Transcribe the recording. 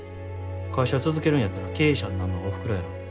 会社続けるんやったら経営者になんのはおふくろやろ。